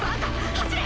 走れ！